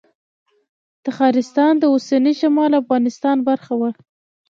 تخارستان د اوسني شمالي افغانستان برخه وه